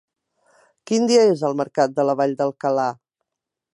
Quin dia és el mercat de la Vall d'Alcalà?